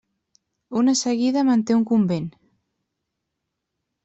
Una seguida manté un convent.